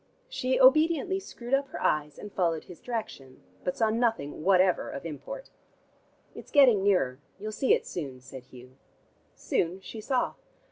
She obediently screwed up her eyes and followed his direction, but saw nothing whatever of import. "It's getting nearer: you'll see it soon," said Hugh. Soon she saw.